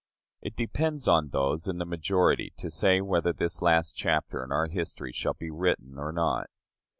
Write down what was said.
It depends on those in the majority to say whether this last chapter in our history shall be written or not.